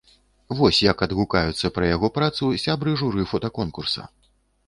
Вось як адгукаюцца пра яго працу сябры журы фотаконкурса.